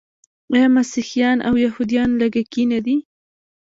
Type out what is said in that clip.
آیا مسیحیان او یهودان لږکي نه دي؟